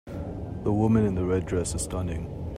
The woman in the red dress is stunning.